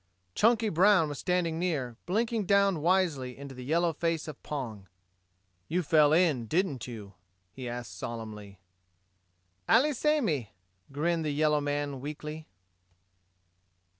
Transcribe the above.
Chunky Brown was standing near, blinking down wisely into the yellow face of Pong. "You fell in, didn't you?" he asked solemnly. "Allee samee," grinned the yellow man, weakly.